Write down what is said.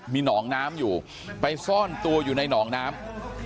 มีหนองน้ำอยู่ไปซ่อนตัวอยู่ในหนองน้ำ